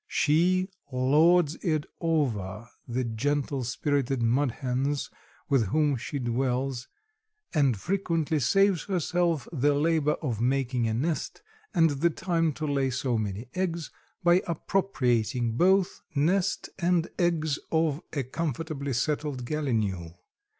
She lords it over the gentle spirited mudhens with whom she dwells, and frequently saves herself the labor of making a nest and the time to lay so many eggs, by appropriating both nest and eggs of a comfortably settled gallinule.